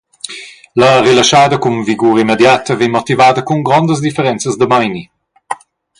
La relaschada cun vigur immediata vegn motivada cun grondas differenzas da meini.